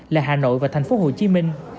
là hà nội và thành phố hồ chí minh